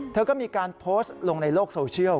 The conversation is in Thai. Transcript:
เธอก็มีการโพสต์ลงในโลกโซเชียล